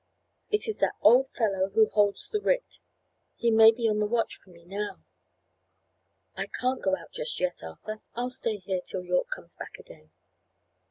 "It is that old fellow who holds the writ. He may be on the watch for me now. I can't go out just yet, Arthur; I'll stay here till Yorke comes back again."